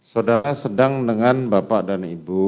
saudara sedang dengan bapak dan ibu